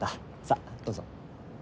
さあどうぞ。